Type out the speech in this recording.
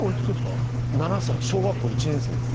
７歳、小学校１年生です。